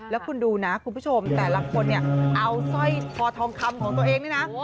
แล้วคุณดูนะคุณผู้ชมแต่ละคนเนี่ยเอาสร้อยคอทองคำของตัวเองนี่นะ